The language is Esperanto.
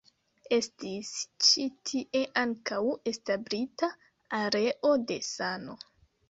Estis ĉi tie ankaŭ establita areo de sano.